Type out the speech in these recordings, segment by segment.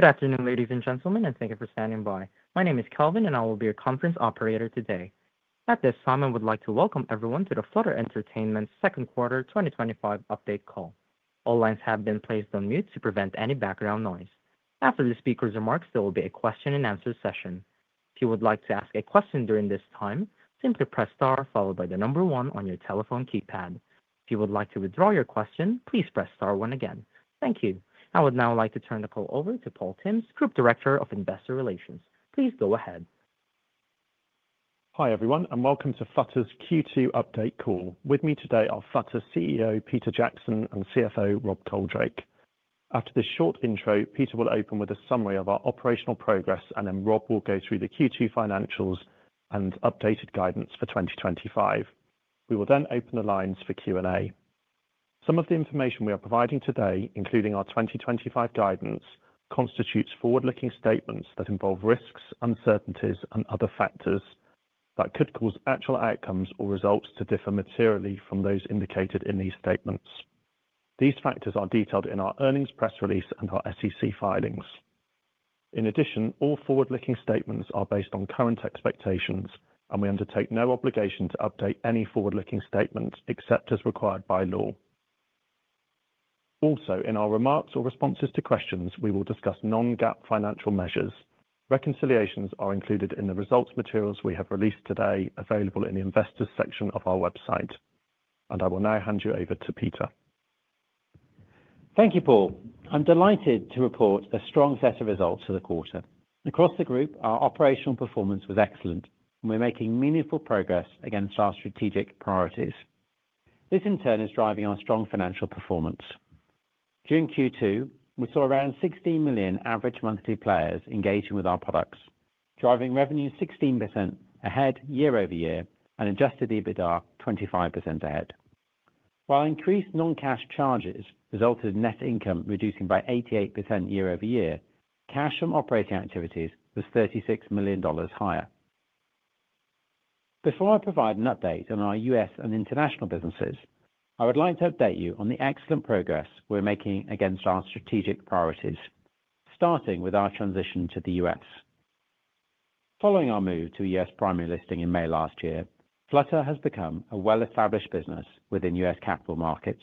Good afternoon, ladies and gentlemen, and thank you for standing by. My name is Kelvin, and I will be your conference operator today. At this time, I would like to welcome everyone to Flutter Entertainment's Second Quarter 2025 Update Call. All lines have been placed on mute to prevent any background noise. After the speaker's remarks, there will be a question and answer session. If you would like to ask a question during this time, simply press star followed by the number one on your telephone keypad. If you would like to withdraw your question, please press star one again. Thank you. I would now like to turn the call over to Paul Tymms, Group Director of Investor Relations. Please go ahead. Hi everyone, and welcome to Flutter's Q2 update call. With me today are Flutter CEO Peter Jackson and CFO Rob Coldrake. After this short intro, Peter will open with a summary of our operational progress, and then Rob will go through the Q2 financials and updated guidance for 2025. We will then open the lines for Q&A. Some of the information we are providing today, including our 2025 guidance, constitutes forward-looking statements that involve risks, uncertainties, and other factors that could cause actual outcomes or results to differ materially from those indicated in these statements. These factors are detailed in our earnings press release and our SEC filings. In addition, all forward-looking statements are based on current expectations, and we undertake no obligation to update any forward-looking statement except as required by law. Also, in our remarks or responses to questions, we will discuss non-GAAP financial measures. Reconciliations are included in the results materials we have released today, available in the Investors section of our website. I will now hand you over to Peter. Thank you, Paul. I'm delighted to report a strong set of results for the quarter. Across the group, our operational performance was excellent, and we're making meaningful progress against our strategic priorities. This, in turn, is driving our strong financial performance. During Q2, we saw around 16 million average monthly players engaging with our products, driving revenue 16% ahead year over year and adjusted EBITDA 25% ahead. While increased non-cash charges resulted in net income reducing by 88% year over year, cash from operating activities was $36 million higher. Before I provide an update on our U.S. and international businesses, I would like to update you on the excellent progress we're making against our strategic priorities, starting with our transition to the U.S. Following our move to a U.S. primary listing in May last year, Flutter has become a well-established business within U.S. capital markets.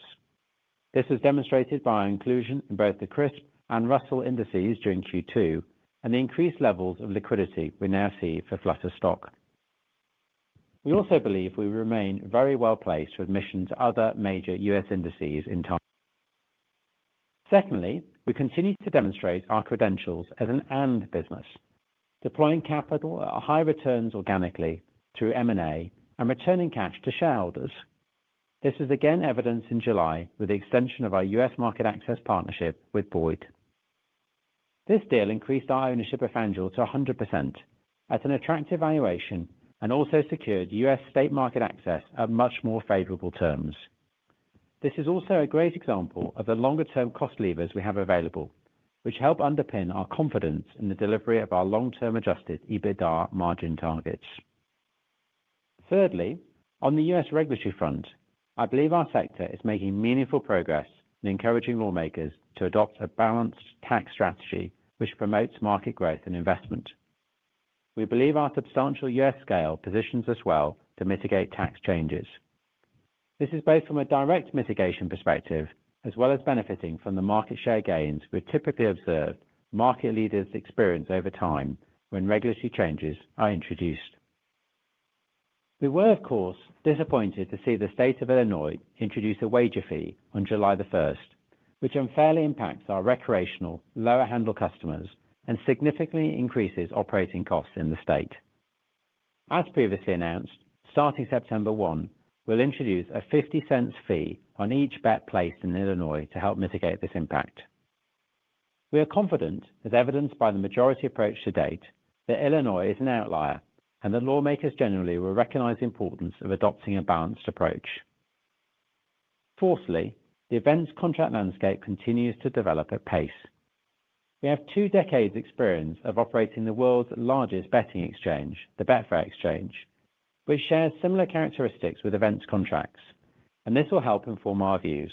This was demonstrated by our inclusion in both the CRSP and Russell indices during Q2 and the increased levels of liquidity we now see for Flutter stock. We also believe we remain very well placed for admission to other major U.S. indices in time. Secondly, we continue to demonstrate our credentials as an AND business, deploying capital at high returns organically through M&A and returning cash to shareholders. This was again evidenced in July with the extension of our U.S. market access partnership with Boyd. This deal increased our ownership of Angel to 100% at an attractive valuation and also secured U.S. state market access at much more favorable terms. This is also a great example of the longer-term cost levers we have available, which help underpin our confidence in the delivery of our long-term adjusted EBITDA margin targets. Thirdly, on the U.S. regulatory front, I believe our sector is making meaningful progress in encouraging lawmakers to adopt a balanced tax strategy which promotes market growth and investment. We believe our substantial U.S. scale positions us well to mitigate tax changes. This is both from a direct mitigation perspective as well as benefiting from the market share gains we typically observe market leaders experience over time when regulatory changes are introduced. We were, of course, disappointed to see the state of Illinois introduce a wager fee on July 1st, which unfairly impacts our recreational lower-handle customers and significantly increases operating costs in the state. As previously announced, starting September 1, we'll introduce a $0.50 fee on each bet placed in Illinois to help mitigate this impact. We are confident, as evidenced by the majority approach to date, that Illinois is an outlier, and that lawmakers generally will recognize the importance of adopting a balanced approach. Fourthly, the events contract landscape continues to develop at pace. We have two decades' experience of operating the world's largest betting exchange, the Betfair Exchange. We share similar characteristics with events contracts, and this will help inform our views.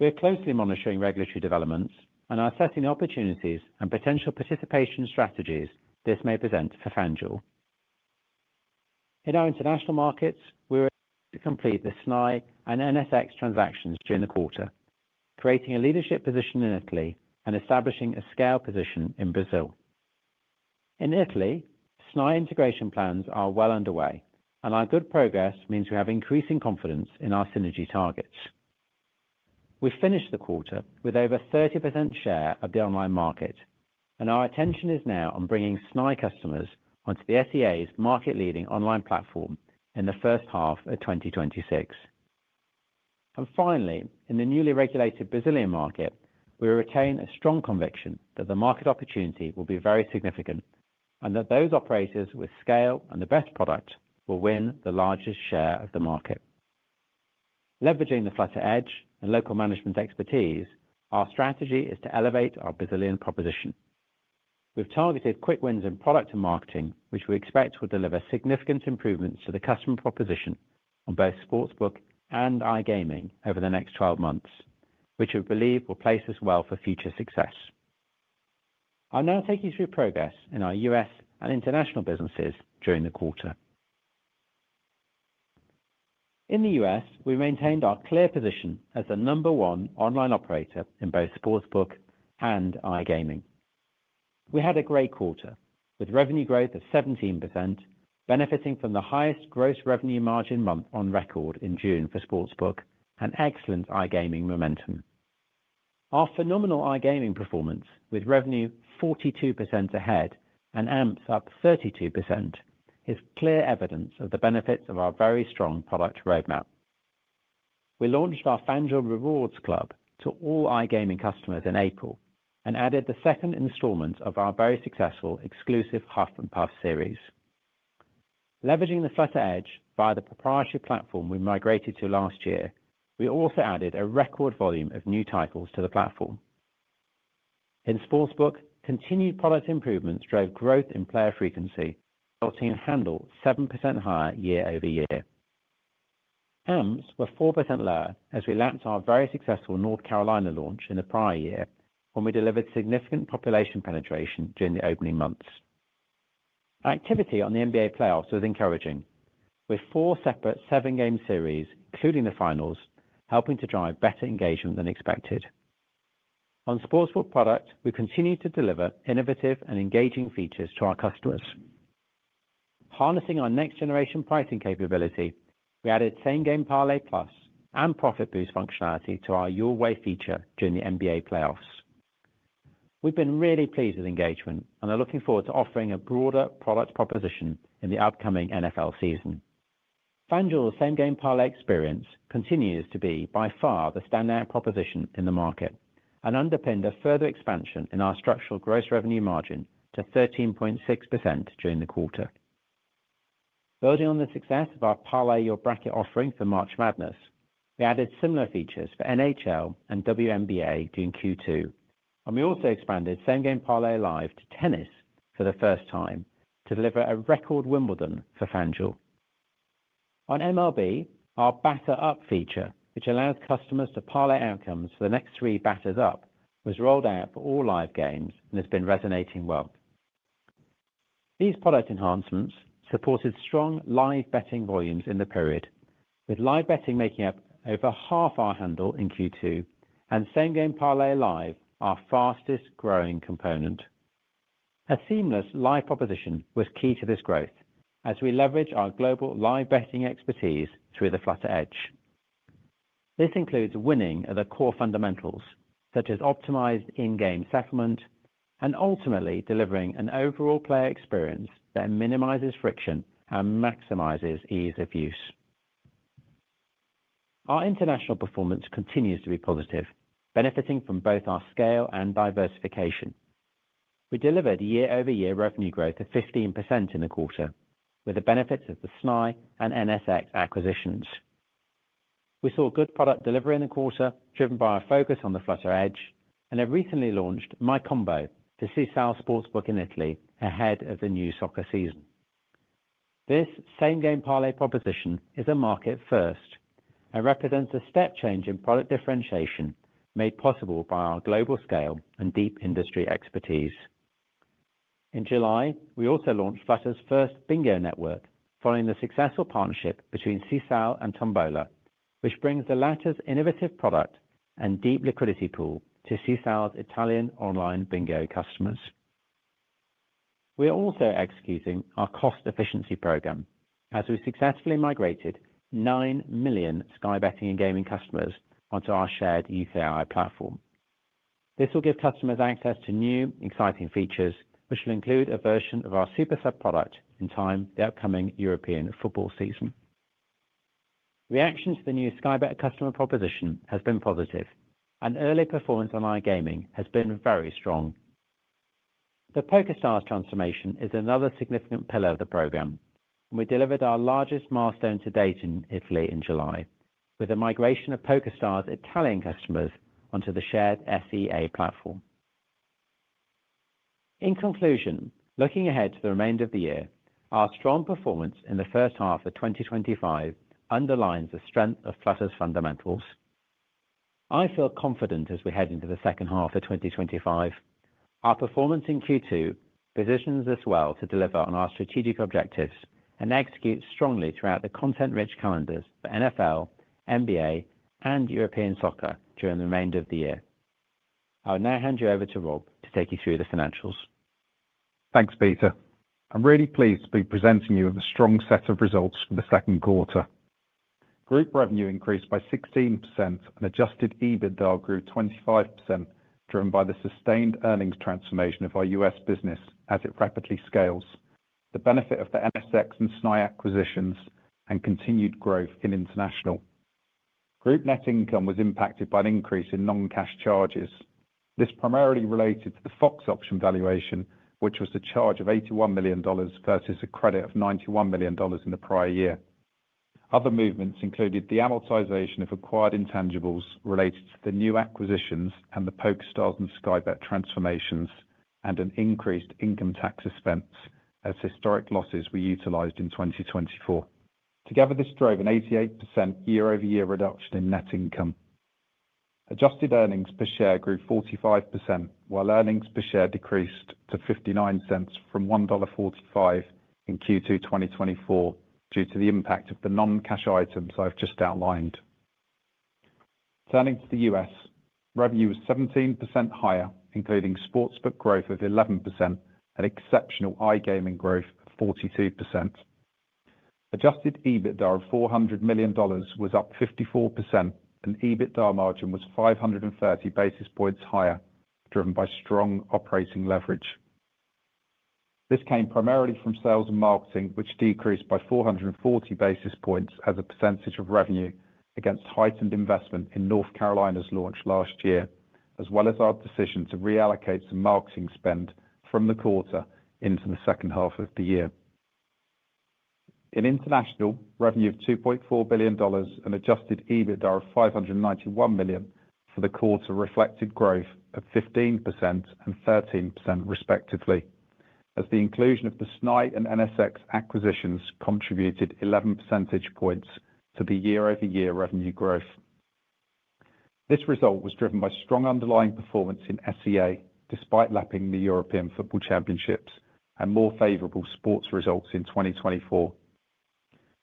We are closely monitoring regulatory developments and are assessing opportunities and potential participation strategies this may present for FanDuel. In our international markets, we were able to complete the Snai and NSX transactions during the quarter, creating a leadership position in Italy and establishing a scale position in Brazil. In Italy, Snai integration plans are well underway, and our good progress means we have increasing confidence in our synergy targets. We finished the quarter with over a 30% share of the online market, and our attention is now on bringing Snai customers onto the SEA's market-leading online platform in the first half of 2026. Finally, in the newly regulated Brazilian market, we retain a strong conviction that the market opportunity will be very significant and that those operators with scale and the best product will win the largest share of the market. Leveraging the Flutter Edge and local management expertise, our strategy is to elevate our Brazilian proposition. We've targeted quick wins in product and marketing, which we expect will deliver significant improvements to the customer proposition on both Sportsbook and iGaming over the next 12 months, which we believe will place us well for future success. I'll now take you through progress in our U.S. and international businesses during the quarter. In the U.S., we maintained our clear position as the number one online operator in both Sportsbook and iGaming. We had a great quarter with revenue growth of 17%, benefiting from the highest gross revenue margin month on record in June for Sportsbook and excellent iGaming momentum. Our phenomenal iGaming performance, with revenue 42% ahead and AMPs up 32%, is clear evidence of the benefits of our very strong product roadmap. We launched our FanDuel Rewards Club to all iGaming customers in April and added the second installment of our very successful exclusive Huff and Puff series. Leveraging the Flutter Edge via the proprietary platform we migrated to last year, we also added a record volume of new titles to the platform. In Sportsbook, continued product improvements drove growth in player frequency, resulting in a handle 7% higher year over year. AMPs were 4% lower as we launched our very successful North Carolina launch in the prior year, when we delivered significant population penetration during the opening months. Activity on the NBA playoffs was encouraging, with four separate seven-game series, including the finals, helping to drive better engagement than expected. On Sportsbook product, we continue to deliver innovative and engaging features to our customers. Harnessing our next-generation pricing capability, we added Same Game Parlay+ and profit boost functionality to our Your Way feature during the NBA playoffs. We've been really pleased with engagement and are looking forward to offering a broader product proposition in the upcoming NFL season. FanDuel's Same Game Parlay experience continues to be by far the standout proposition in the market and underpins a further expansion in our structural gross revenue margin to 13.6% during the quarter. Building on the success of our parlay your bracket offering for March Madness, we added similar features for NHL and WNBA during Q2. We also expanded Same Game Parlay live to tennis for the first time to deliver a record Wimbledon for FanDuel. On MLB, our Batter Up feature, which allows customers to parlay outcomes for the next three batters up, was rolled out for all live games and has been resonating well. These product enhancements supported strong live betting volumes in the period, with live betting making up over half our handle in Q2 and Same Game Parlay live our fastest growing component. A seamless live proposition was key to this growth as we leveraged our global live betting expertise through the Flutter Edge. This includes winning at the core fundamentals, such as optimized in-game settlement, and ultimately delivering an overall player experience that minimizes friction and maximizes ease of use. Our international performance continues to be positive, benefiting from both our scale and diversification. We delivered year-over-year revenue growth of 15% in the quarter, with the benefits of the Snai and NSX acquisitions. We saw good product delivery in the quarter, driven by our focus on the Flutter Edge, and have recently launched MyCombo to Sisal Sportsbook in Italy ahead of the new soccer season. This Same Game Parlay proposition is a market first and represents a step change in product differentiation made possible by our global scale and deep industry expertise. In July, we also launched Flutter's first bingo network following the successful partnership between Sisal and Tombola, which brings the latter's innovative product and deep liquidity pool to Sisal's Italian online bingo customers. We're also executing our cost efficiency program as we successfully migrated 9 million Sky Betting and Gaming customers onto our shared UCI platform. This will give customers access to new, exciting features, which will include a version of our SuperSub product in time for the upcoming European football season. Reaction to the new Sky Bet customer proposition has been positive, and early performance on iGaming has been very strong. The PokerStars transformation is another significant pillar of the program, and we delivered our largest milestone to date in Italy in July, with the migration of PokerStars Italian customers onto the shared SEA platform. In conclusion, looking ahead to the remainder of the year, our strong performance in the first half of 2025 underlines the strength of Flutter's fundamentals. I feel confident as we head into the second half of 2025. Our performance in Q2 positions us well to deliver on our strategic priorities and execute strongly throughout the content-rich calendars for NFL, NBA, and European soccer during the remainder of the year. I would now hand you over to Rob to take you through the financials. Thanks, Peter. I'm really pleased to be presenting you with a strong set of results for the second quarter. Group revenue increased by 16% and adjusted EBITDA grew 25%, driven by the sustained earnings transformation of our U.S. business as it rapidly scales, the benefit of the NSX and Snai acquisitions, and continued growth in international. Group net income was impacted by an increase in non-cash charges. This primarily related to the FOX option valuation, which was the charge of $81 million versus a credit of $91 million in the prior year. Other movements included the amortization of acquired intangibles related to the new acquisitions and the PokerStars and Sky Bet transformations, and an increased income tax expense as historic losses were utilized in 2024. Together, this drove an 88% year-over-year reduction in net income. Adjusted earnings per share grew 45%, while earnings per share decreased to $0.59 from $1.45 in Q2 2024 due to the impact of the non-cash items I've just outlined. Turning to the U.S., revenue was 17% higher, including Sportsbook growth of 11% and exceptional iGaming growth of 42%. Adjusted EBITDA of $400 million was up 54%, and EBITDA margin was 530 basis points higher, driven by strong operating leverage. This came primarily from sales and marketing, which decreased by 440 basis points as a percentage of revenue against heightened investment in North Carolina's launch last year, as well as our decision to reallocate some marketing spend from the quarter into the second half of the year. In international, revenue of $2.4 billion and adjusted EBITDA of $591 million for the quarter reflected growth of 15% and 13% respectively, as the inclusion of the Snai and NSX acquisitions contributed 11 percentage points to the year-over-year revenue growth. This result was driven by strong underlying performance in SEA, despite lapping the European football championships and more favorable sports results in 2024.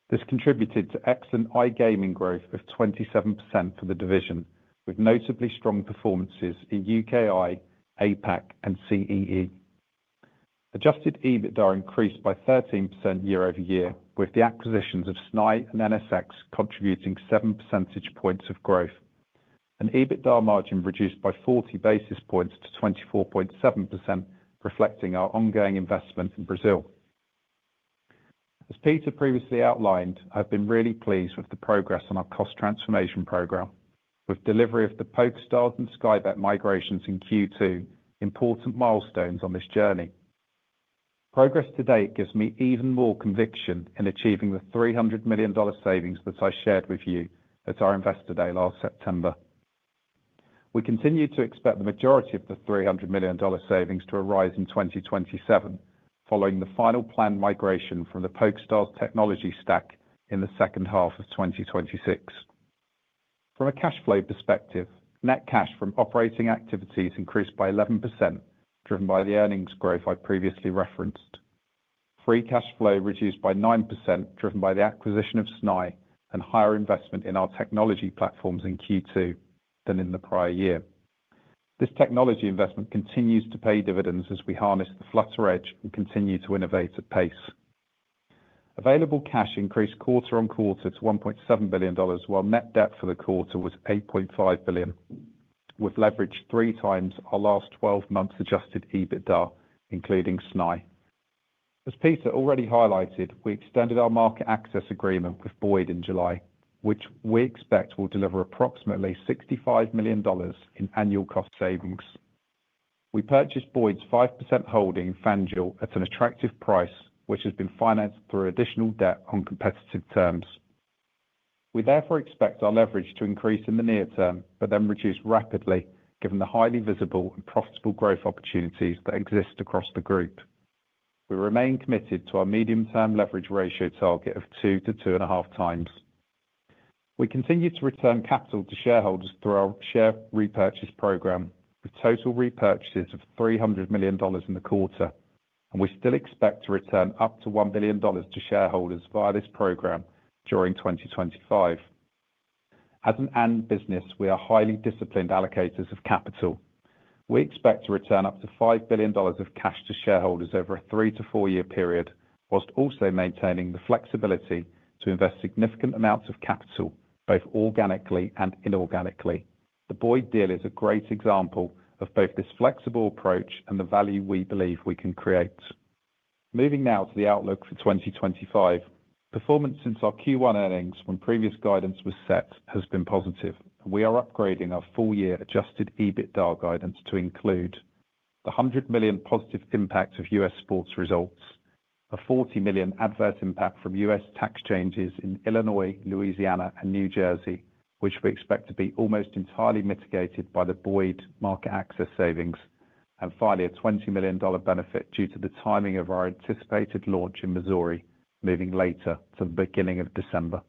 This contributed to excellent iGaming growth of 27% for the division, with notably strong performances in UKI, APAC, and CEE. Adjusted EBITDA increased by 13% year-over-year, with the acquisitions of Snai and NSX contributing 7 percentage points of growth, and EBITDA margin reduced by 40 basis points to 24.7%, reflecting our ongoing investment in Brazil. As Peter previously outlined, I've been really pleased with the progress on our cost efficiency program, with delivery of the PokerStars and Sky Bet migrations in Q2 important milestones on this journey. Progress to date gives me even more conviction in achieving the $300 million savings that I shared with you at our Investor Day last September. We continue to expect the majority of the $300 million savings to arise in 2027, following the final planned migration from the PokerStars technology stack in the second half of 2026. From a cash flow perspective, net cash from operating activities increased by 11%, driven by the earnings growth I previously referenced. Free cash flow reduced by 9%, driven by the acquisition of Snai and higher investment in our technology platforms in Q2 than in the prior year. This technology investment continues to pay dividends as we harness the Flutter Edge and continue to innovate at pace. Available cash increased quarter on quarter to $1.7 billion, while net debt for the quarter was $8.5 billion, with leverage three times our last 12 months' adjusted EBITDA, including Snai. As Peter already highlighted, we extended our market access partnership with Boyd in July, which we expect will deliver approximately $65 million in annual cost savings. We purchased Boyd's 5% holding in FanDuel at an attractive price, which has been financed through additional debt on competitive terms. We therefore expect our leverage to increase in the near term, but then reduce rapidly, given the highly visible and profitable growth opportunities that exist across the group. We remain committed to our medium-term leverage ratio target of two to two and a half times. We continue to return capital to shareholders through our share repurchase program, with total repurchases of $300 million in the quarter, and we still expect to return up to $1 billion to shareholders via this program during 2025. As an AND business, we are highly disciplined allocators of capital. We expect to return up to $5 billion of cash to shareholders over a three to four-year period, whilst also maintaining the flexibility to invest significant amounts of capital, both organically and inorganically. The Boyd deal is a great example of both this flexible approach and the value we believe we can create. Moving now to the outlook for 2025, performance since our Q1 earnings when previous guidance was set has been positive, and we are upgrading our full-year adjusted EBITDA guidance to include the $100 million positive impact of U.S. sports results, a $40 million adverse impact from U.S. tax changes in Illinois, Louisiana, and New Jersey, which we expect to be almost entirely mitigated by the Boyd market access savings, and finally, a $20 million benefit due to the timing of our anticipated launch in Missouri, moving later to the beginning of December.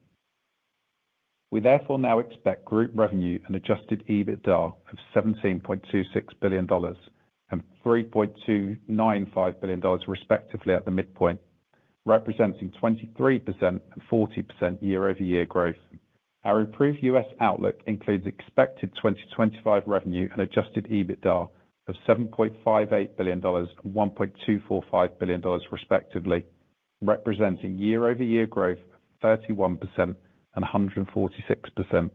We therefore now expect group revenue and adjusted EBITDA of $17.26 billion and $3.295 billion, respectively, at the midpoint, representing 23% and 40% year-over-year growth. Our improved U.S. outlook includes expected 2025 revenue and adjusted EBITDA of $7.58 billion and $1.245 billion, respectively, representing year-over-year growth of 31% and 146%.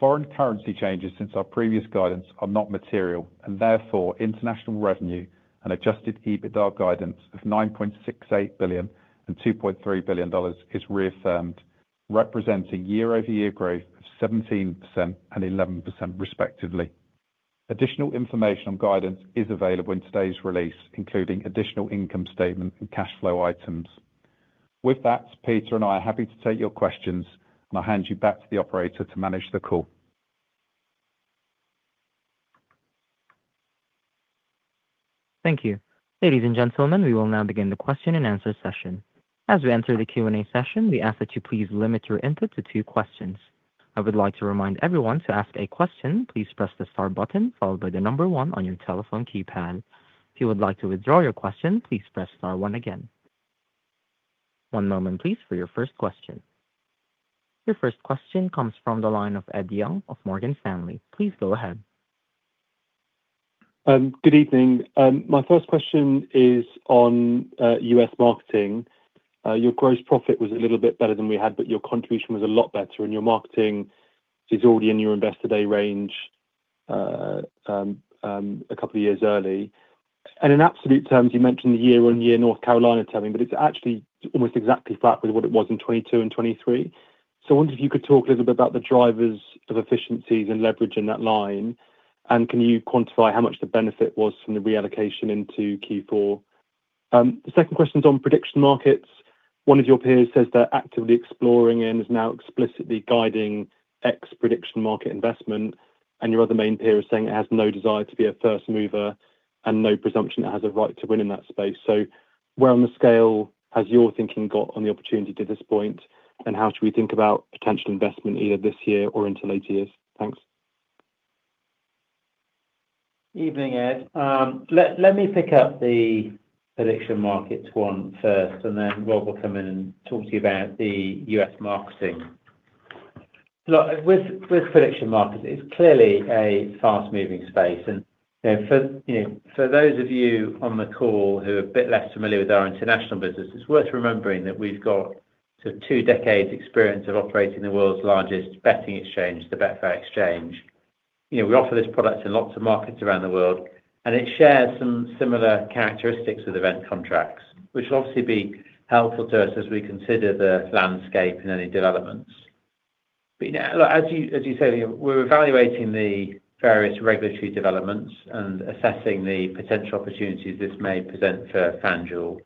Foreign currency changes since our previous guidance are not material, and therefore, international revenue and adjusted EBITDA guidance of $9.68 billion and $2.3 billion is reaffirmed, representing year-over-year growth of 17% and 11%, respectively. Additional information on guidance is available in today's release, including additional income statement and cash flow items. With that, Peter and I are happy to take your questions, and I'll hand you back to the operator to manage the call. Thank you. Ladies and gentlemen, we will now begin the question and answer session. As we enter the Q&A session, we ask that you please limit your input to two questions. I would like to remind everyone to ask a question, please press the star button followed by the number one on your telephone keypad. If you would like to withdraw your question, please press star one again. One moment, please, for your first question. Your first question comes from the line of Ed Young of Morgan Stanley. Please go ahead. Good evening. My first question is on U.S. marketing. Your gross profit was a little bit better than we had, but your contribution was a lot better, and your marketing is already in your Investor Day range a couple of years early. In absolute terms, you mentioned the year-on-year North Carolina telling, but it's actually almost exactly flat with what it was in 2022 and 2023. I wonder if you could talk a little bit about the drivers of efficiencies in leveraging that line, and can you quantify how much the benefit was from the reallocation into Q4? The second question is on prediction markets. One of your peers says they're actively exploring and is now explicitly guiding X prediction market investment, and your other main peer is saying it has no desire to be a first mover and no presumption it has a right to win in that space. Where on the scale has your thinking got on the opportunity to this point, and how should we think about potential investment either this year or into later years? Thanks. Evening, Ed. Let me pick up the prediction markets one first, and then Rob will come in and talk to you about the U.S. marketing. Look, with prediction markets, it's clearly a fast-moving space. For those of you on the call who are a bit less familiar with our international business, it's worth remembering that we've got sort of two decades' experience of operating the world's largest betting exchange, the Betfair Exchange. We offer this product in lots of markets around the world, and it shares some similar characteristics with event contracts, which will obviously be helpful to us as we consider the landscape and any developments. As you say, we're evaluating the various regulatory developments and assessing the potential opportunities this may present for FanDuel.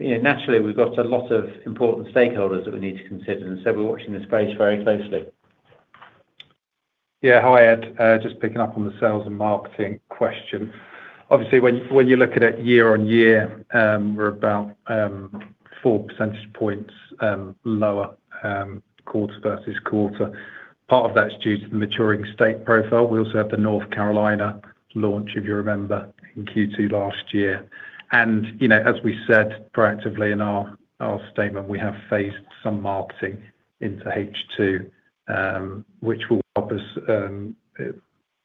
Naturally, we've got a lot of important stakeholders that we need to consider, and so we're watching the space very closely. Yeah, hi, Ed. Just picking up on the sales and marketing question. Obviously, when you look at it year-on-year, we're about 4 percentage points lower, quarter versus quarter. Part of that is due to the maturing state profile. We also have the North Carolina launch, if you remember, in Q2 last year. As we said proactively in our statement, we have phased some marketing into H2, which will help us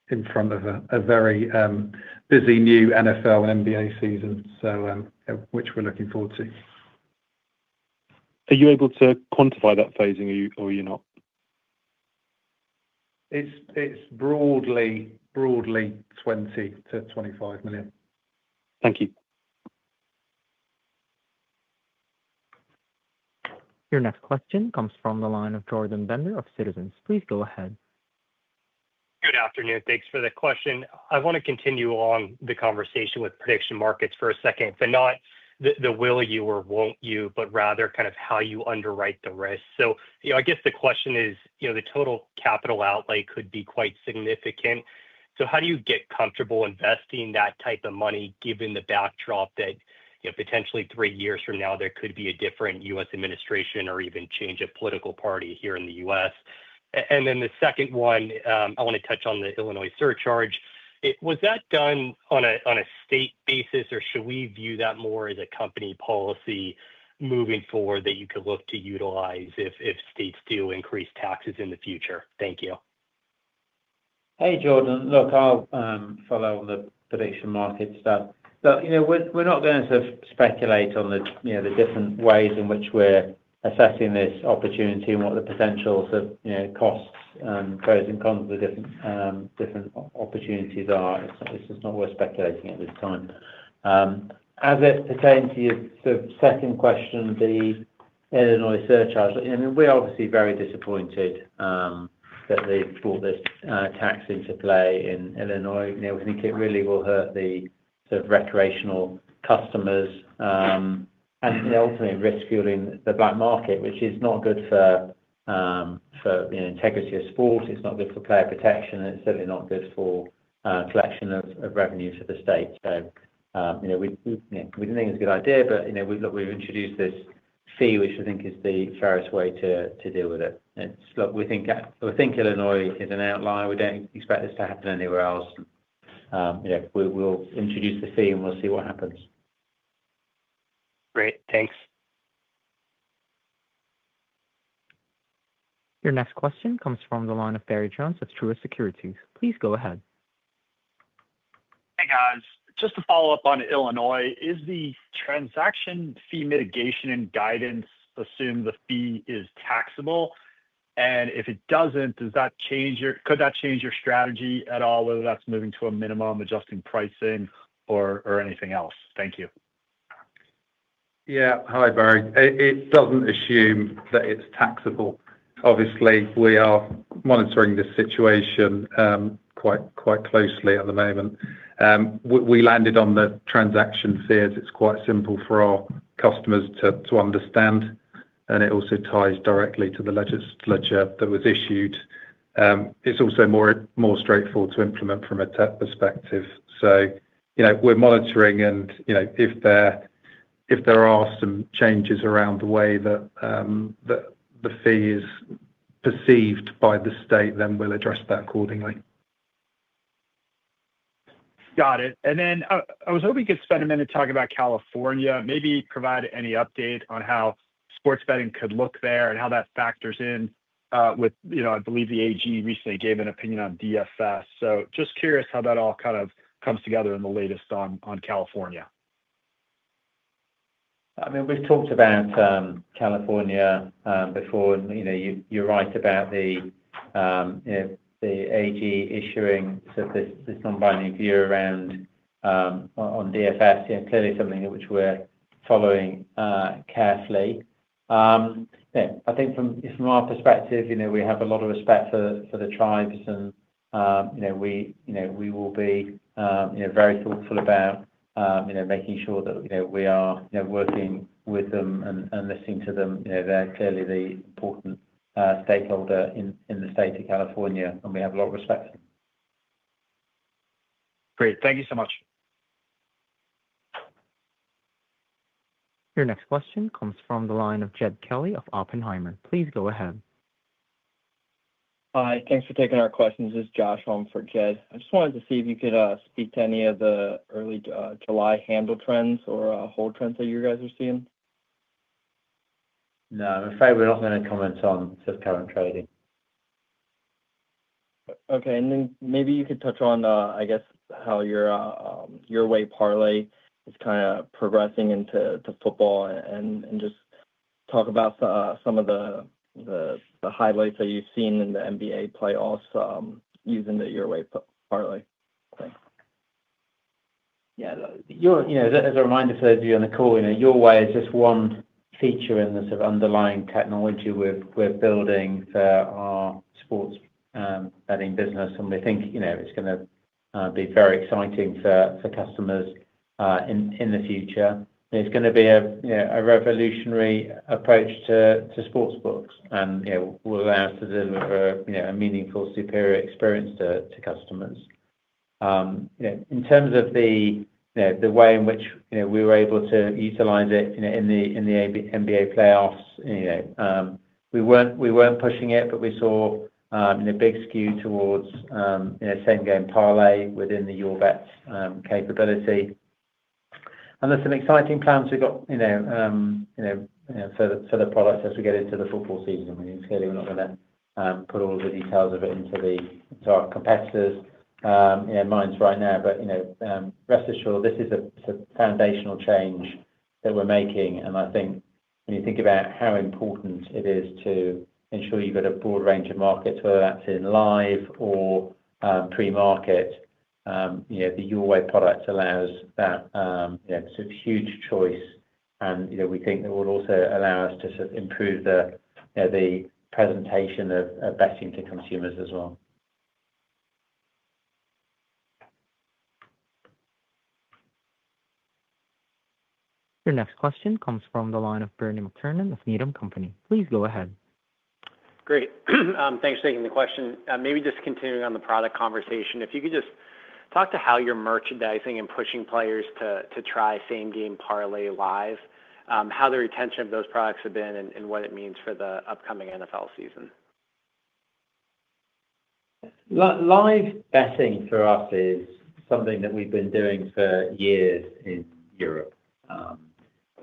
in front of a very busy new NFL and NBA season, which we're looking forward to. Are you able to quantify that phasing, or are you not? It's broadly $20 million-$25 million. Thank you. Your next question comes from the line of Jordan Bender of Citizens. Please go ahead. Good afternoon. Thanks for the question. I want to continue on the conversation with prediction markets for a second. Not the will you or won't you, but rather kind of how you underwrite the risk. I guess the question is, the total capital outlay could be quite significant. How do you get comfortable investing that type of money, given the backdrop that potentially three years from now, there could be a different U.S. administration or even change of political party here in the U.S.? The second one, I want to touch on the Illinois surcharge. Was that done on a state basis, or should we view that more as a company policy moving forward that you could look to utilize if states do increase taxes in the future? Thank you. Hey, Jordan. I'll follow on the prediction market stuff. We're not going to sort of speculate on the different ways in which we're assessing this opportunity and what the potential sort of costs and pros and cons of the different opportunities are. It's just not worth speculating at this time. As it pertains to your second question, the Illinois surcharge, we're obviously very disappointed that they've brought this tax into play in Illinois. We think it really will hurt the sort of recreational customers and ultimately risk fueling the black market, which is not good for integrity of sports. It's not good for player protection, and it's certainly not good for collection of revenue for the state. We think it's a good idea, but we've introduced this fee, which we think is the fairest way to deal with it. We think Illinois is an outlier. We don't expect this to happen anywhere else. We'll introduce the fee, and we'll see what happens. Great. Thanks. Your next question comes from the line of Barry Jonas of Truist Securities. Please go ahead. Hey, guys. Just to follow up on Illinois, is the transaction fee mitigation and guidance assume the fee is taxable? If it doesn't, does that change your, could that change your strategy at all, whether that's moving to a minimum, adjusting pricing, or anything else? Thank you. Yeah. Hi, Barry. It doesn't assume that it's taxable. Obviously, we are monitoring this situation quite closely at the moment. We landed on the transaction fee as it's quite simple for our customers to understand, and it also ties directly to the legislature that was issued. It's also more straightforward to implement from a tech perspective. We're monitoring, and if there are some changes around the way that the fee is perceived by the state, then we'll address that accordingly. Got it. I was hoping you could spend a minute talking about California, maybe provide any update on how sports betting could look there and how that factors in with, you know, I believe the AG recently gave an opinion on DFS. Just curious how that all kind of comes together in the latest on California. We've talked about California before, and you're right about the AG issuing this non-binding view around DFS. Clearly, something which we're following carefully. I think from our perspective, we have a lot of respect for the tribes, and we will be very thoughtful about making sure that we are working with them and listening to them. They're clearly the important stakeholder in the state of California, and we have a lot of respect for them. Great, thank you so much. Your next question comes from the line of Jed Kelly of Oppenheimer. Please go ahead. Hi. Thanks for taking our questions. This is Joshua on for Jed. I just wanted to see if you could speak to any of the early July handle trends or hold trends that you guys are seeing. No. I'm afraid we're not going to comment on just current trading. Okay. Maybe you could touch on, I guess, how your Your Way parlay is kind of progressing into the football and just talk about some of the highlights that you've seen in the NBA playoffs using the Your Way feature. As a reminder for those of you on the call, Your Way is just one feature in the sort of underlying technology we're building for our sports betting business. We think it's going to be very exciting for customers in the future. It's going to be a revolutionary approach to sportsbooks, and it will allow us to deliver a meaningful, superior experience to customers. In terms of the way in which we were able to utilize it in the NBA playoffs, we weren't pushing it, but we saw a big skew towards Same Game Parlay within the Your Way capability. There are some exciting plans we've got for the product as we get into the football season. Clearly, we're not going to put all of the details of it into our competitors' minds right now, but rest assured, this is a foundational change that we're making. I think when you think about how important it is to ensure you've got a broad range of markets, whether that's in live or pre-market, the Your Way product allows that sort of huge choice. We think that will also allow us to improve the presentation of betting to consumers as well. Your next question comes from the line of Bernie McTernan of Needham & Company. Please go ahead. Great. Thanks for taking the question. Maybe just continuing on the product conversation, if you could just talk to how you're merchandising and pushing players to try Same Game Parlay live, how the retention of those products has been and what it means for the upcoming NFL season. Live betting for us is something that we've been doing for years in Europe.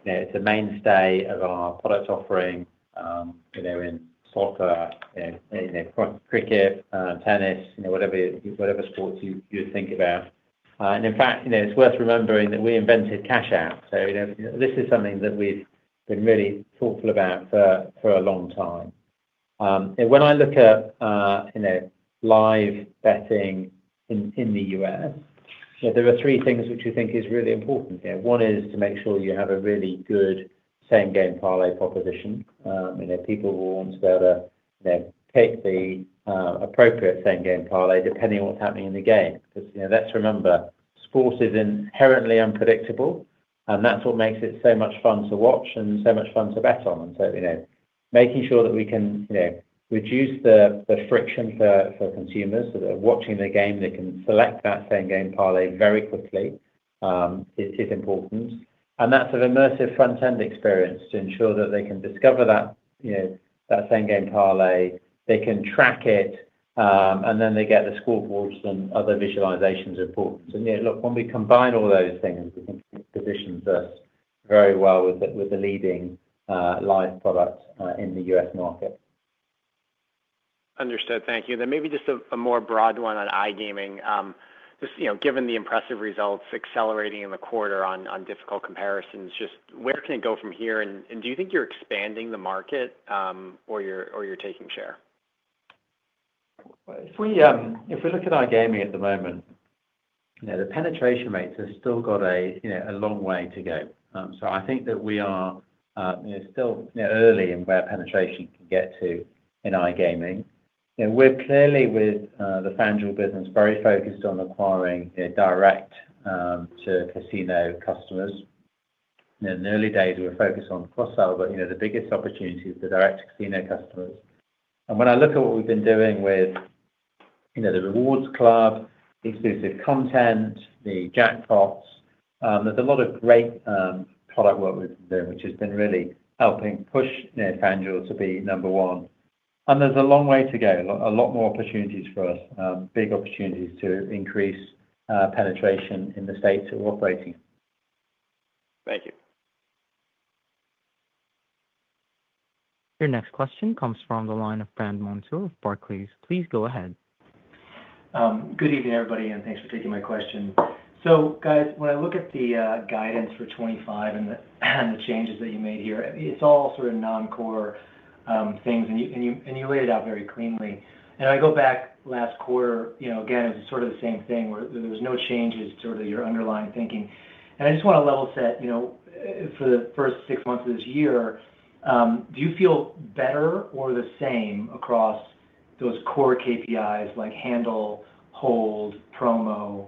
It's a mainstay of our product offering in soccer, cricket, tennis, whatever sports you think about. In fact, it's worth remembering that we invented Cash Out. This is something that we've been really thoughtful about for a long time. When I look at live betting in the U.S., there are three things which we think are really important. One is to make sure you have a really good Same Game Parlay proposition. People will want to be able to pick the appropriate Same Game Parlay depending on what's happening in the game. Sports is inherently unpredictable, and that's what makes it so much fun to watch and so much fun to bet on. Making sure that we can reduce the friction for consumers so that they're watching the game, they can select that Same Game Parlay very quickly is important. That's an immersive front-end experience to ensure that they can discover that Same Game Parlay, they can track it, and then they get the scoreboards and other visualizations important. When we combine all those things, I think it positions us very well with the leading live product in the U.S. market. Understood. Thank you. Maybe just a more broad one on iGaming. Just, you know, given the impressive results accelerating in the quarter on difficult comparisons, just where can it go from here? Do you think you're expanding the market or you're taking share? If we look at iGaming at the moment, you know, the penetration rates have still got a long way to go. I think that we are still early in where penetration can get to in iGaming. We're clearly, with the FanDuel business, very focused on acquiring direct-to-casino customers. In the early days, we were focused on cross-seller, but you know, the biggest opportunity is the direct-to-casino customers. When I look at what we've been doing with, you know, the Rewards Club, exclusive content, the jackpots, there's a lot of great product work we've been doing, which has been really helping push FanDuel to be number one. There's a long way to go, a lot more opportunities for us, big opportunities to increase penetration in the states that we're operating. Thank you. Your next question comes from the line of Brandt Montour of Barclays. Please go ahead. Good evening, everybody, and thanks for taking my question. When I look at the guidance for 2025 and the changes that you made here, it's all sort of non-core things, and you laid it out very cleanly. I go back last quarter, you know, again, it was sort of the same thing where there were no changes to sort of your underlying thinking. I just want to level set, you know, for the first six months of this year, do you feel better or the same across those core KPIs like handle, hold, promo,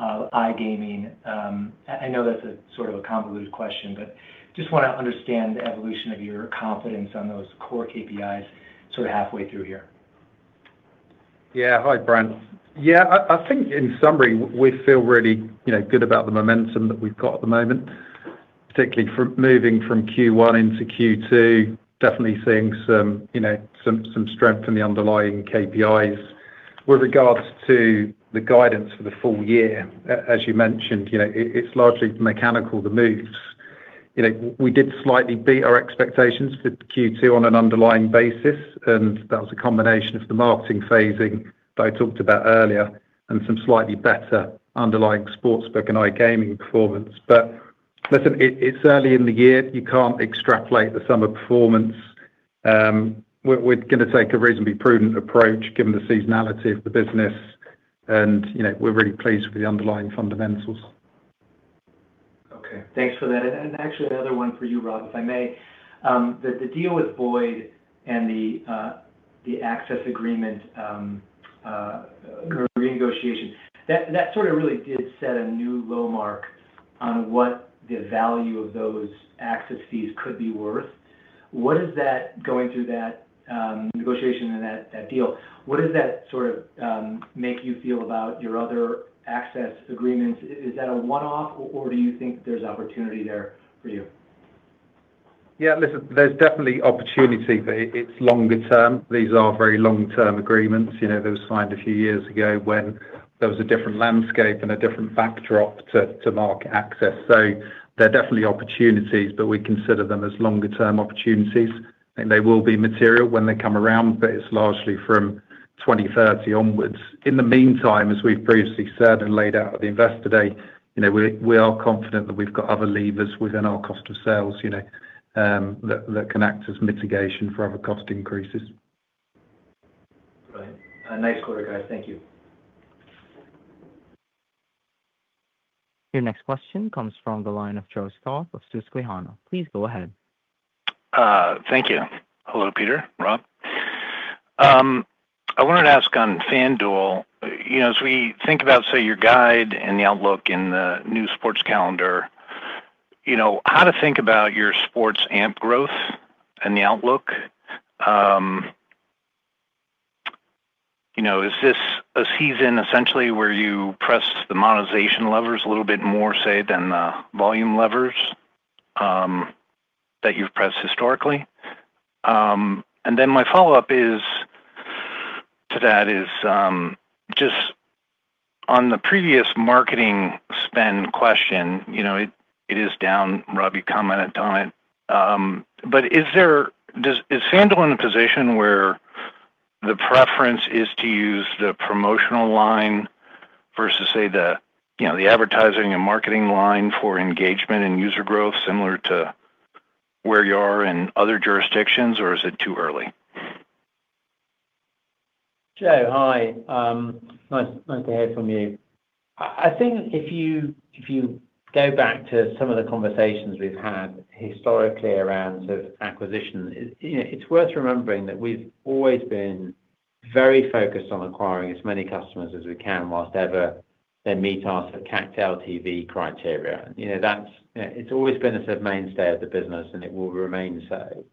iGaming? I know that's a sort of a convoluted question, but I just want to understand the evolution of your confidence on those core KPIs sort of halfway through here. Yeah. Hi, Brandt. Yeah, I think in summary, we feel really good about the momentum that we've got at the moment, particularly from moving from Q1 into Q2, definitely seeing some strength in the underlying KPIs. With regards to the guidance for the full year, as you mentioned, it's largely mechanical, the moves. We did slightly beat our expectations for Q2 on an underlying basis, and that was a combination of the marketing phasing that I talked about earlier and some slightly better underlying Sportsbook and iGaming performance. It's early in the year. You can't extrapolate the summer performance. We're going to take a reasonably prudent approach given the seasonality of the business, and we're really pleased with the underlying fundamentals. Okay. Thanks for that. Actually, another one for you, Rob, if I may. The deal with Boyd and the access agreement, the renegotiation, that really did set a new low mark on what the value of those access fees could be worth. What does that, going through that negotiation and that deal, make you feel about your other access agreements? Is that a one-off, or do you think that there's opportunity there for you? Yeah, listen, there's definitely opportunity, but it's longer term. These are very long-term agreements. They were signed a few years ago when there was a different landscape and a different backdrop to market access. There are definitely opportunities, but we consider them as longer-term opportunities. They will be material when they come around, but it's largely from 2030 onwards. In the meantime, as we've previously said and laid out at the Investor Day, we are confident that we've got other levers within our cost of sales that can act as mitigation for other cost increases. Brilliant. A nice quarter, guys. Thank you. Your next question comes from the line of Joe Stauff of Susquehanna. Please go ahead. Thank you. Hello, Peter, Rob. I wanted to ask on FanDuel, as we think about, say, your guide and the outlook in the new sports calendar, how to think about your sports AMP growth and the outlook. Is this a season essentially where you press the monetization levers a little bit more, say, than the volume levers that you've pressed historically? My follow-up to that is just on the previous marketing spend question. It is down, Rob, you commented on it. Is FanDuel in a position where the preference is to use the promotional line versus, say, the advertising and marketing line for engagement and user growth, similar to where you are in other jurisdictions, or is it too early? Jo, hi. Nice to hear from you. If you go back to some of the conversations we've had historically around acquisition, it's worth remembering that we've always been very focused on acquiring as many customers as we can whilst ever they meet our sort of CAC/TV criteria. It's always been a mainstay of the business, and it will remain so.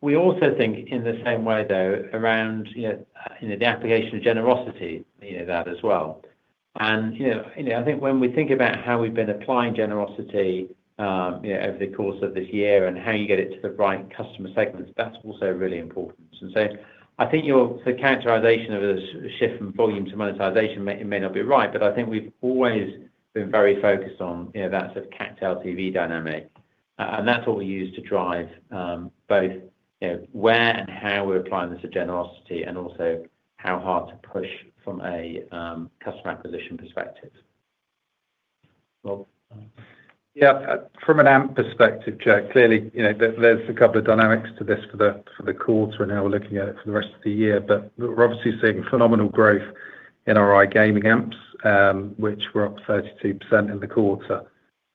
We also think in the same way, though, around the application of generosity, that as well. I think when we think about how we've been applying generosity over the course of this year and how you get it to the right customer segments, that's also really important. I think your characterization of a shift from volume to monetization may not be right, but I think we've always been very focused on that sort of CAC/TV dynamic. That's what we use to drive both where and how we're applying this to generosity and also how hard to push from a customer acquisition perspective. From an AMP perspective, Jo, clearly, there's a couple of dynamics to this for the quarter and how we're looking at it for the rest of the year. We're obviously seeing phenomenal growth in our iGaming AMPs, which were up 32% in the quarter.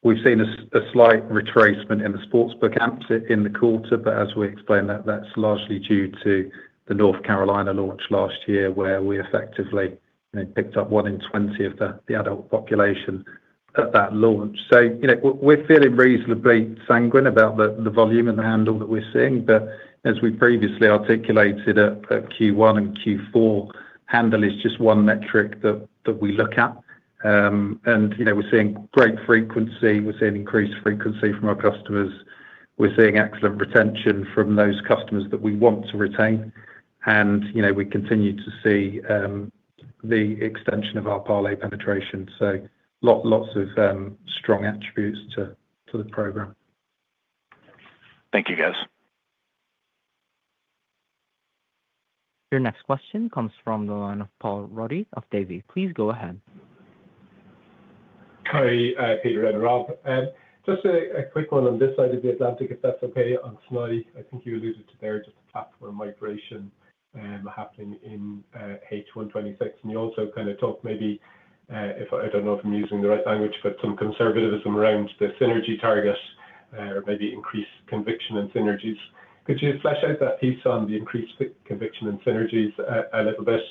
We've seen a slight retracement in the Sportsbook AMPs in the quarter, but as we explained, that's largely due to the North Carolina launch last year where we effectively picked up one in 20 of the adult population at that launch. We're feeling reasonably sanguine about the volume and the handle that we're seeing. As we previously articulated at Q1 and Q4, handle is just one metric that we look at. We're seeing great frequency. We're seeing increased frequency from our customers. We're seeing excellent retention from those customers that we want to retain. We continue to see the extension of our parlay penetration. Lots of strong attributes to the program. Thank you, guys. Your next question comes from the line of Paul Ruddy of Davy. Please go ahead. Hi, Peter and Rob. Just a quick one on this side of the Atlantic, if that's okay. On Flutter, I think you alluded to there just the platform migration happening in H1 2026. You also kind of talked, maybe, if I don't know if I'm using the right language, but some conservatism around the synergy target or maybe increased conviction in synergies. Could you flesh out that piece on the increased conviction in synergies a little bit?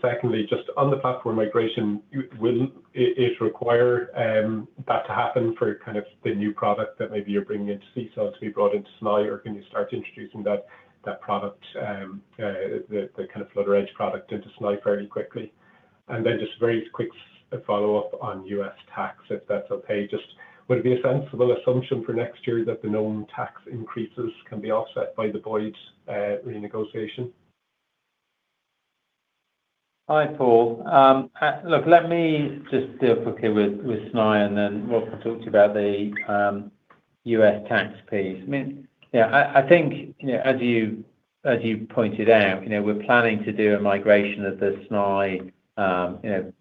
Secondly, just on the platform migration, will it require that to happen for the new product that maybe you're bringing into Sisal to be brought into Snai, or can you start introducing that product, the Flutter Edge product, into Snai fairly quickly? Just a very quick follow-up on U.S. tax, if that's okay. Would it be a sensible assumption for next year that the known tax increases can be offset by the Boyd's renegotiation? Hi, Paul. Let me just deal quickly with Snai and then Rob can talk to you about the U.S. tax piece. I mean, yeah, I think, as you pointed out, we're planning to do a migration of the Snai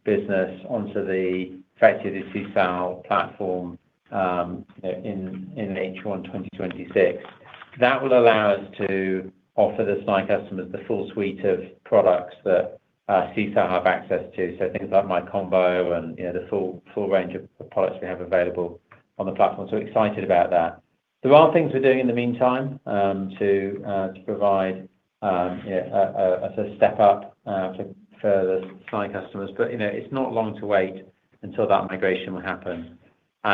business onto, effectively, the Sisal platform in H1 2026. That will allow us to offer the SNAI customers the full suite of products that Sisal have access to, so things like MyCombo and the full range of products we have available on the platform. We're excited about that. There are things we're doing in the meantime to provide a step up for the Snai customers, but it's not long to wait until that migration will happen. I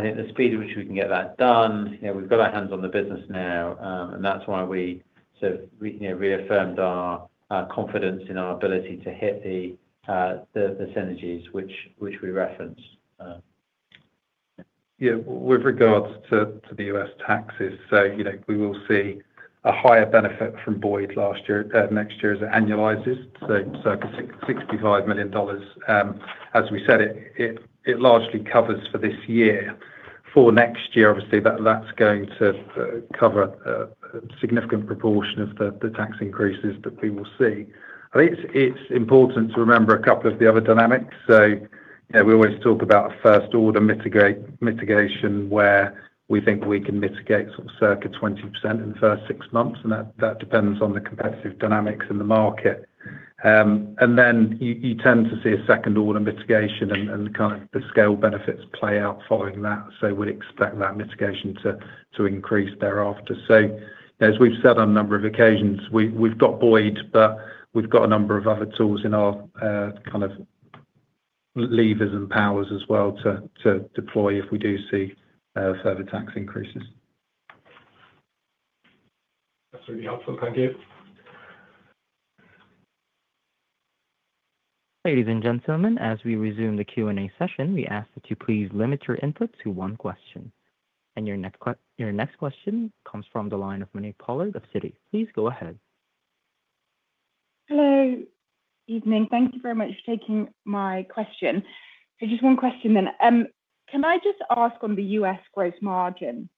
think the speed at which we can get that done, we've got our hands on the business now, and that's why we reaffirmed our confidence in our ability to hit the synergies which we referenced. With regards to the U.S. taxes, we will see a higher benefit from Boyd last year next year as it annualizes, so circa $65 million. As we said, it largely covers for this year. For next year, that's going to cover a significant proportion of the tax increases that we will see. I think it's important to remember a couple of the other dynamics. We always talk about a first-order mitigation where we think we can mitigate sort of circa 20% in the first six months, and that depends on the competitive dynamics in the market. You tend to see a second-order mitigation and the scale benefits play out following that. We'd expect that mitigation to increase thereafter. As we've said on a number of occasions, we've got Boyd, but we've got a number of other tools in our levers and powers as well to deploy if we do see further tax increases. That's really helpful. Thank you. Ladies and gentlemen, as we resume the Q&A session, we ask that you please limit your input to one question. Your next question comes from the line of Monique Pollard with Citi. Please go ahead. Hello. Evening. Thank you very much for taking my question. Just one question then. Can I just ask on the U.S. gross margin?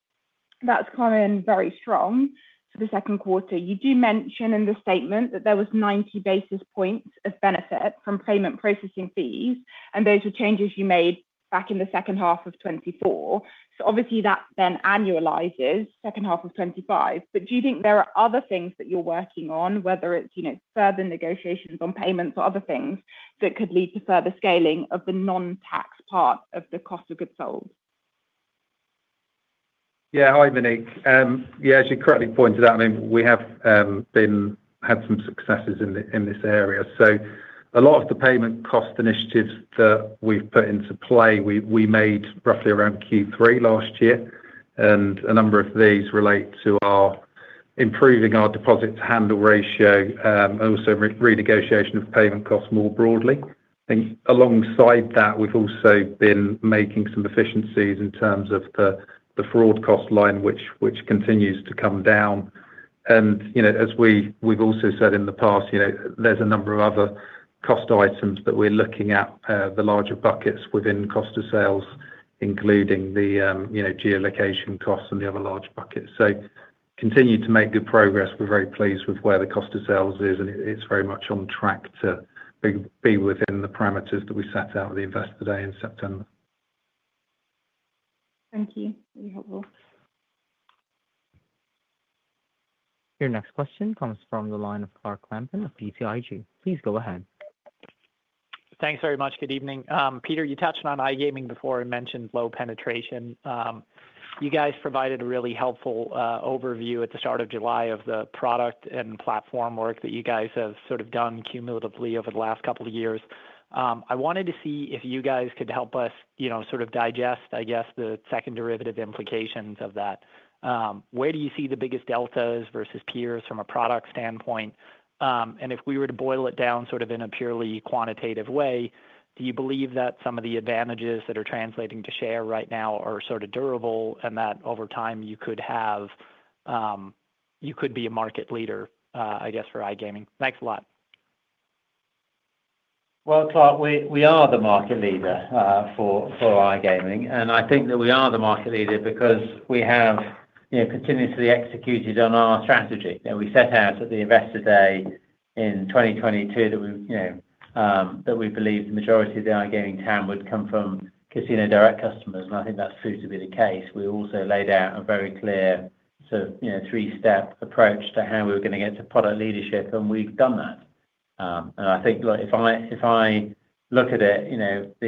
That's come in very strong for the second quarter. You mention in the statement that there was 90 basis points of benefit from payment processing fees, and those were changes you made back in the second half of 2024. That then annualizes second half of 2025. Do you think there are other things that you're working on, whether it's further negotiations on payments or other things that could lead to further scaling of the non-tax part of the cost of goods sold? Yeah. Hi, Monique. Yeah, as you correctly pointed out, we have had some successes in this area. A lot of the payment cost initiatives that we've put into play, we made roughly around Q3 last year. A number of these relate to improving our deposit to handle ratio and also renegotiation of payment costs more broadly. Alongside that, we've also been making some efficiencies in terms of the fraud cost line, which continues to come down. As we've also said in the past, there's a number of other cost items that we're looking at, the larger buckets within cost of sales, including the geolocation costs and the other large buckets. We continue to make good progress. We're very pleased with where the cost of sales is, and it's very much on track to be within the parameters that we set out at the Investor Day in September. Thank you. Really helpful. Your next question comes from the line of Clark Lampen of BTIG. Please go ahead. Thanks very much. Good evening. Peter, you touched on iGaming before and mentioned low penetration. You guys provided a really helpful overview at the start of July of the product and platform work that you guys have done cumulatively over the last couple of years. I wanted to see if you guys could help us digest the second derivative implications of that. Where do you see the biggest deltas versus peers from a product standpoint? If we were to boil it down in a purely quantitative way, do you believe that some of the advantages that are translating to share right now are durable and that over time you could be a market leader for iGaming? Thanks a lot. Clark, we are the market leader for iGaming. I think that we are the market leader because we have continuously executed on our strategy. We set out at the Investor Day in 2022 that we believed the majority of the iGaming town would come from casino direct customers, and I think that's proved to be the case. We also laid out a very clear sort of three-step approach to how we were going to get to product leadership, and we've done that. If I look at it,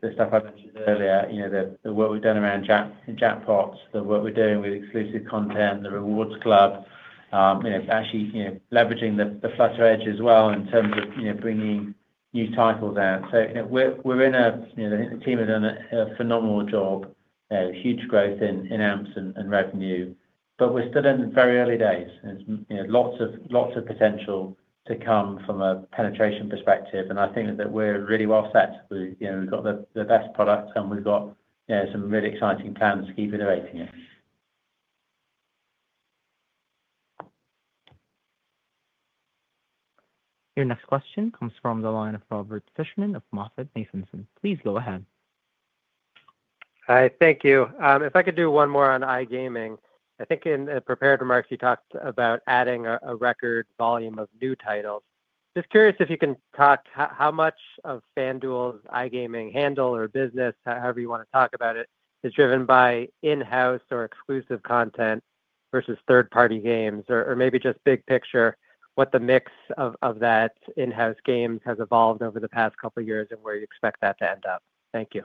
the stuff I've mentioned earlier, the work we've done around jackpots, the work we're doing with exclusive content, the Rewards Club, actually leveraging the Flutter Edge as well in terms of bringing new titles out. We're in a position where the team have done a phenomenal job, huge growth in AMPs and revenue, but we're still in very early days. There's lots of potential to come from a penetration perspective. I think that we're really well set. We've got the best product, and we've got some really exciting plans to keep innovating it. Your next question comes from the line of Robert Fishman of MoffettNathanson. Please go ahead. Hi. Thank you. If I could do one more on iGaming, I think in the prepared remarks, you talked about adding a record volume of new titles. Just curious if you can talk how much of FanDuel's iGaming handle or business, however you want to talk about it, is driven by in-house or exclusive content versus third-party games, or maybe just big picture, what the mix of that in-house games has evolved over the past couple of years and where you expect that to end up. Thank you.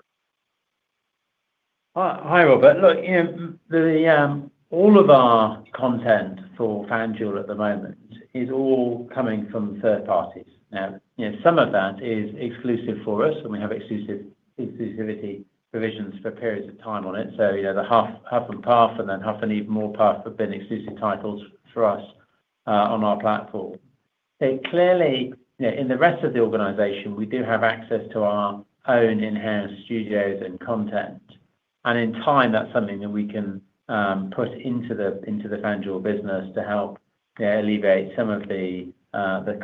Hi, Robert. Look, you know, all of our content for FanDuel at the moment is all coming from third parties. Now, you know, some of that is exclusive for us, and we have exclusivity provisions for periods of time on it. The Huff and Puff series have been exclusive titles for us on our platform. Clearly, in the rest of the organization, we do have access to our own in-house studios and content. In time, that's something that we can put into the FanDuel business to help alleviate some of the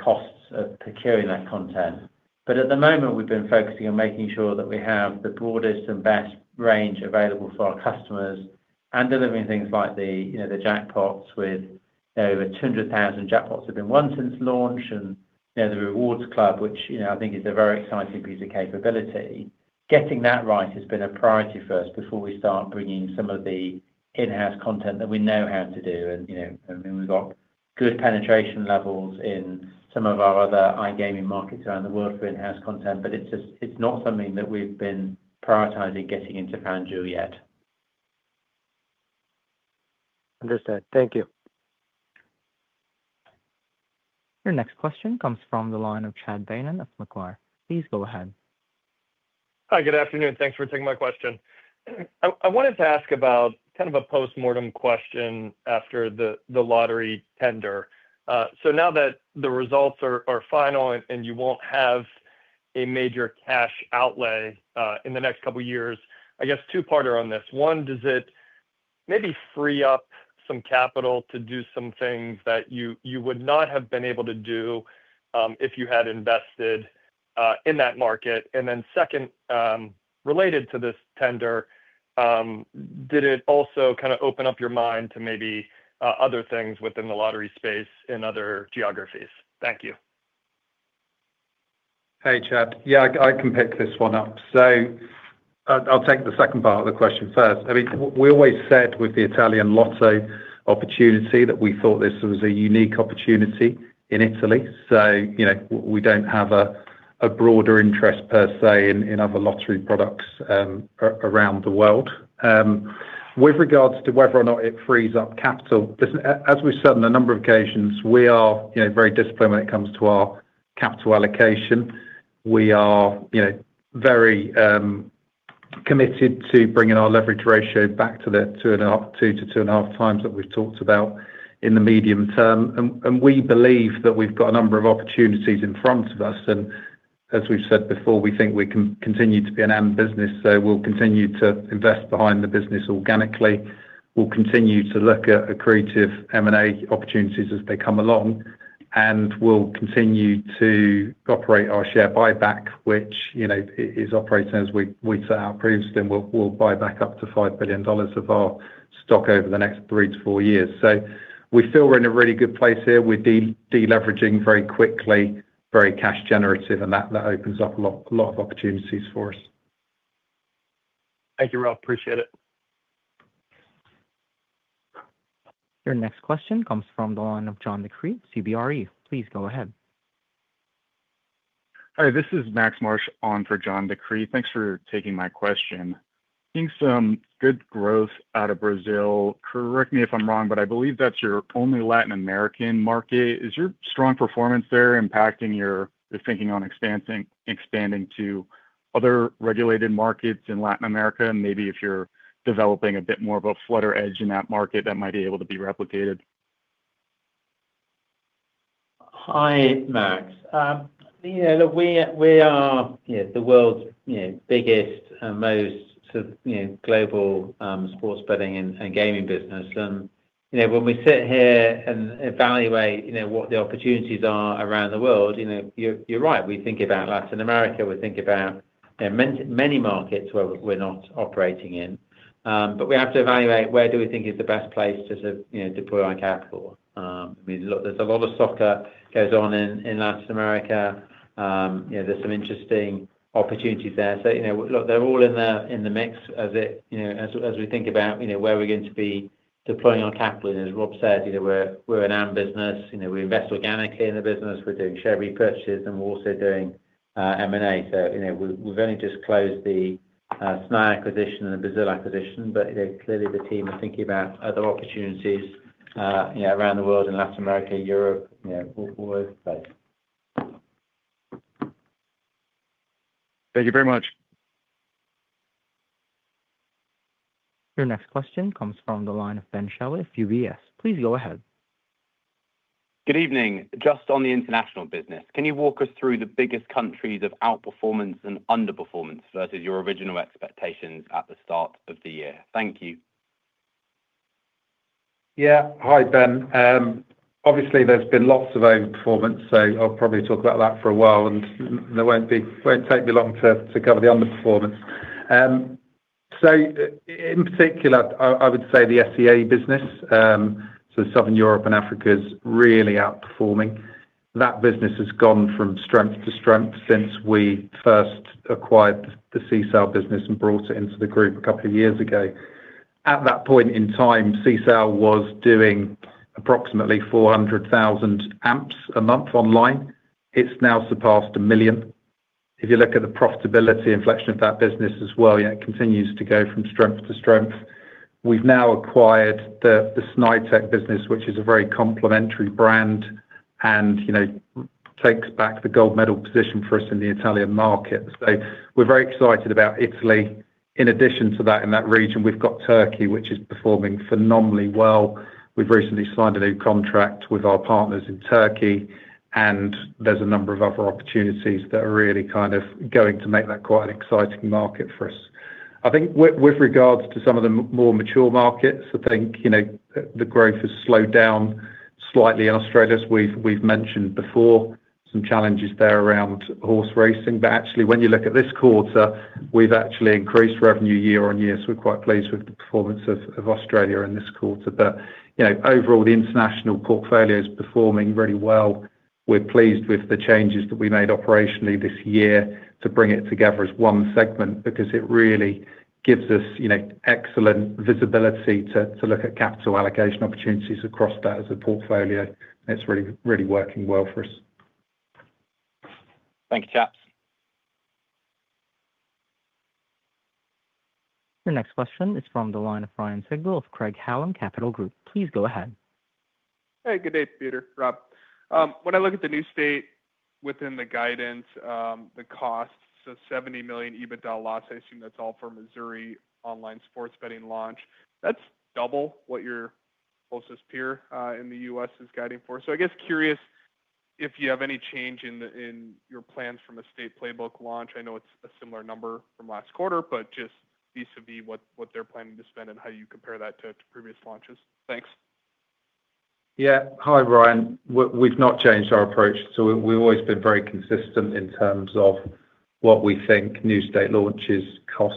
costs of procuring that content. At the moment, we've been focusing on making sure that we have the broadest and best range available for our customers and delivering things like the jackpots with over 200,000 jackpots have been won since launch. The Rewards Club, which I think is a very exciting piece of capability, getting that right has been a priority for us before we start bringing some of the in-house content that we know how to do. We've got good penetration levels in some of our other iGaming markets around the world for in-house content, but it's just not something that we've been prioritizing getting into FanDuel yet. Understood. Thank you. Your next question comes from the line of Chad Beynon of Macquarie. Please go ahead. Hi. Good afternoon. Thanks for taking my question. I wanted to ask about kind of a postmortem question after the lottery tender. Now that the results are final and you won't have a major cash outlay in the next couple of years, I guess two-parter on this. One, does it maybe free up some capital to do some things that you would not have been able to do if you had invested in that market? Second, related to this tender, did it also kind of open up your mind to maybe other things within the lottery space in other geographies? Thank you. Hey, Chad. Yeah, I can pick this one up. I'll take the second part of the question first. We always said with the Italian lotto opportunity that we thought this was a unique opportunity in Italy. We don't have a broader interest per se in other lottery products around the world. With regards to whether or not it frees up capital, as we've said on a number of occasions, we are very disciplined when it comes to our capital allocation. We are very committed to bringing our leverage ratio back to the 2x to 2.5x that we've talked about in the medium term. We believe that we've got a number of opportunities in front of us. As we've said before, we think we can continue to be an AND business. We'll continue to invest behind the business organically, look at creative M&A opportunities as they come along, and operate our share buyback, which is operating as we set out previously. We'll buy back up to $5 billion of our stock over the next 3 to 4 years. We feel we're in a really good place here. We're deleveraging very quickly, very cash generative, and that opens up a lot of opportunities for us. Thank you, Rob. Appreciate it. Your next question comes from the line of John DeCree, CBRE. Please go ahead. Hi. This is Max Marsh on for John DeCree. Thanks for taking my question. Seeing some good growth out of Brazil, correct me if I'm wrong, but I believe that's your only Latin American market. Is your strong performance there impacting your thinking on expanding to other regulated markets in Latin America? Maybe if you're developing a bit more of a Flutter Edge in that market, that might be able to be replicated. Hi, Max. You know, look, we are the world's biggest and most sort of global sports betting and gaming business. When we sit here and evaluate what the opportunities are around the world, you're right. We think about Latin America. We think about many markets where we're not operating in. We have to evaluate where do we think is the best place to deploy our capital. I mean, look, there's a lot of soccer going on in Latin America. There are some interesting opportunities there. They're all in the mix as it, you know, as we think about where we're going to be deploying our capital. As Rob said, we're an AND business. We invest organically in the business. We're doing share repurchases, and we're also doing M&A. We've only just closed the Snai acquisition and the Brazil acquisition, but clearly the team are thinking about other opportunities around the world in Latin America, Europe, all over the place. Thank you very much. Your next question comes from the line of Ben Shelley of UBS. Please go ahead. Good evening. Just on the international business, can you walk us through the biggest countries of outperformance and underperformance versus your original expectations at the start of the year? Thank you. Yeah. Hi, Ben. Obviously, there's been lots of overperformance, so I'll probably talk about that for a while, and it won't take me long to cover the underperformance. In particular, I would say the SEA business, so Southern Europe and Africa, is really outperforming. That business has gone from strength to strength since we first acquired the Sisal business and brought it into the group a couple of years ago. At that point in time, Sisal was doing approximately 400,000 AMPs a month online. It's now surpassed a million. If you look at the profitability inflection of that business as well, it continues to go from strength to strength. We've now acquired the Snai business, which is a very complementary brand and takes back the gold medal position for us in the Italian market. We're very excited about Italy. In addition to that, in that region, we've got Turkey, which is performing phenomenally well. We've recently signed a new contract with our partners in Turkey, and there's a number of other opportunities that are really going to make that quite an exciting market for us. I think with regards to some of the more mature markets, the growth has slowed down slightly in Australia, as we've mentioned before, with some challenges there around horse racing. Actually, when you look at this quarter, we've increased revenue year on year. We're quite pleased with the performance of Australia in this quarter. Overall, the international portfolio is performing really well. We're pleased with the changes that we made operationally this year to bring it together as one segment because it really gives us excellent visibility to look at capital allocation opportunities across that as a portfolio. It's really, really working well for us. Thank you, chaps. Your next question is from the line of Ryan Sigdahl of Craig-Hallum Capital Group. Please go ahead. Hey, good day, Peter. Rob, when I look at the new state within the guidance, the costs, so $70 million EBITDA loss, I assume that's all for Missouri online sports betting launch. That's double what your closest peer in the U.S. is guiding for. I guess curious if you have any change in your plans from a state playbook launch. I know it's a similar number from last quarter, but just vis-a-vis what they're planning to spend and how do you compare that to previous launches? Thanks. Yeah. Hi, Ryan. We've not changed our approach. We've always been very consistent in terms of what we think new state launches cost.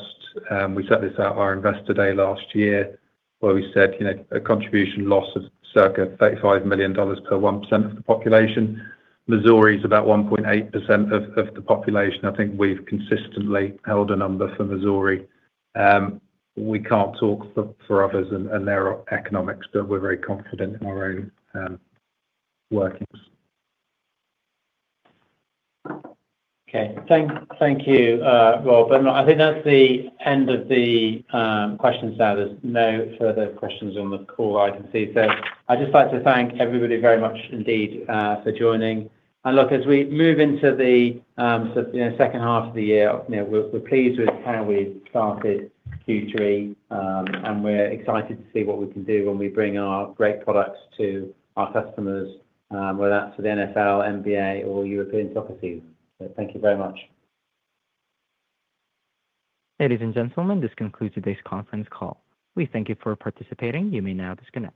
We set this out at our Investor Day last year where we said, you know, a contribution loss of circa $35 million per 1% of the population. Missouri is about 1.8% of the population. I think we've consistently held a number for Missouri. We can't talk for others and their economics, but we're very confident in our own workings. Okay. Thank you, Rob. I think that's the end of the questions now. There's no further questions on the call items. I'd just like to thank everybody very much indeed for joining. As we move into the sort of second half of the year, we're pleased with how we've started Q3, and we're excited to see what we can do when we bring our great products to our customers, whether that's for the NFL, NBA, or European Soccer season. Thank you very much. Ladies and gentlemen, this concludes today's conference call. We thank you for participating. You may now disconnect.